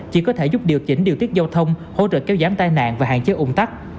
chỉ có thể giúp điều chỉnh điều tiết giao thông hỗ trợ kéo giảm tai nạn và hạn chế ung tắc